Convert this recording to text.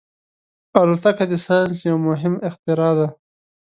الوتکه د ساینس یو مهم اختراع ده.